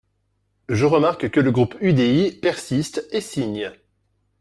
Je remarque que le groupe UDI persiste, Et signe